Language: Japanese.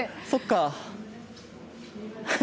そっか！